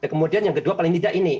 kemudian yang kedua paling tidak ini